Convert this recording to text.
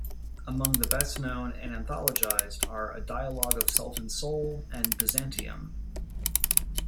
Among the best-known and anthologised are "A Dialogue of Self and Soul" and "Byzantium.